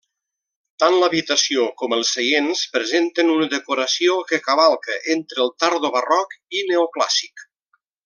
Tant l'habitació com els seients presenten una decoració que cavalca entre el tardobarroc i neoclàssic.